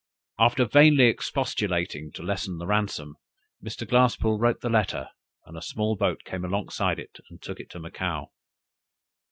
After vainly expostulating to lessen the ransom, Mr. Glasspoole wrote the letter, and a small boat came alongside and took it to Macao.